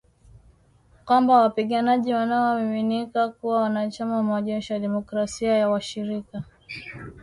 Kwamba wapiganaji wanaoaminika kuwa wanachama wa Majeshi ya demokrasia washirika.